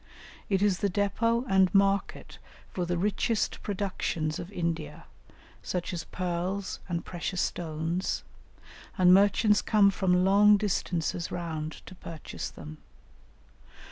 It is the depôt and market for the richest productions of India, such as pearls and precious stones, and merchants come from long distances round to purchase them.